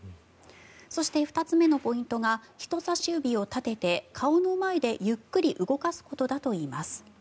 そして、２つ目のポイントが人さし指を立てて顔の前でゆっくり動かすことだといいます。